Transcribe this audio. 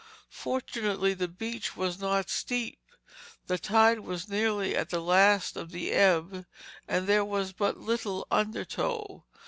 Fortunately, the beach was not steep. The tide was nearly at the last of the ebb and there was but little undertow.